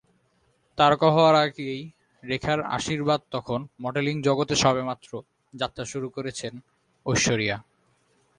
তারকা হওয়ার আগেই রেখার আশীর্বাদতখন মডেলিং জগতে সবেমাত্র যাত্রা শুরু করেছেন ঐশ্বরিয়া।